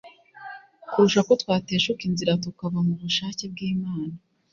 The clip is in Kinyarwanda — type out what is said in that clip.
kuruta ko twateshuka inzira tukava mu bushake bw'Imana